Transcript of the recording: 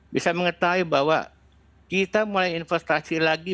bisa mengetahui bahwa kita mulai investasi lagi